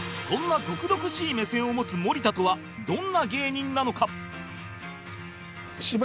そんな毒々しい目線を持つ森田とはどんな芸人なのか？